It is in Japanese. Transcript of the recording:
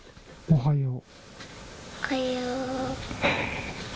おはよう。